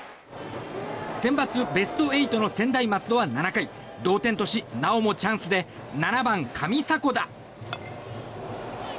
センバツベスト８の専大松戸は７回同点とし、なおもチャンスで７番、上迫田。